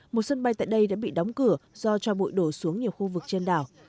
một sân bay tại đây đã bị đóng cửa do cho bụi đổ xuống nhiều khu vực trên đảo